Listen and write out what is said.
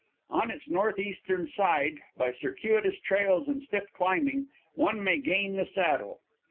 On its northeastern side, by circuitous trails and stiff climbing, one may gain the Saddle.